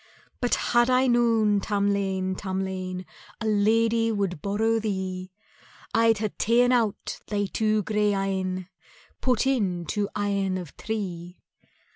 "But had I known, Tamlane, Tamlane, A lady would borrow thee, I'd hae ta'en out thy two grey eyne, Put in two eyne of tree.